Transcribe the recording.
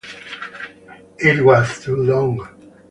It was to long.